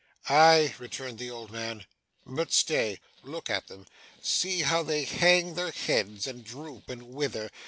'Aye,' returned the old man, 'but stay. Look at them. See how they hang their heads, and droop, and wither.